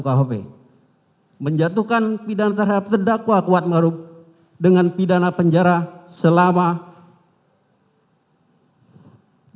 kedua menjatuhkan pidana terhadap terdakwa kuat makrup dengan pidana penjara selama delapan tahun